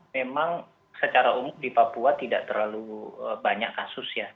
memang secara umum di papua tidak terlalu banyak kasus ya